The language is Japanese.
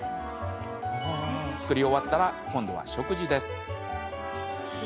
作り終わったら今度は食事です。